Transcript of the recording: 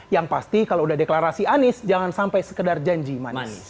yang pasti kalau udah deklarasi anies jangan sampai sekedar janji manis